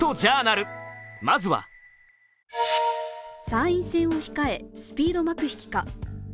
参院選を控えスピード幕引きか。